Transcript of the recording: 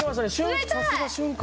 さすが瞬間